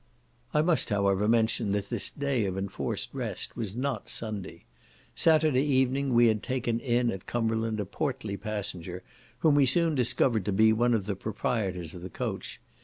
I must, however, mention, that this day of enforced rest was not Sunday. Saturday evening we had taken in at Cumberland a portly passenger, whom we soon discovered to be one of the proprietors of the coach.